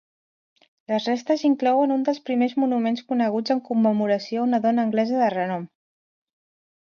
Les restes inclouen un dels primers monuments coneguts en commemoració a una dona anglesa de renom.